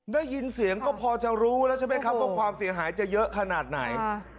ได้ยินเสียงก็พอจะรู้แล้วใช่ไหมครับว่าความเสียหายจะเยอะขนาดไหน